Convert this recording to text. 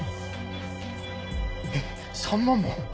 えっ３万も？